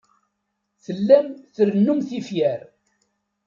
Tellam trennum tifyar.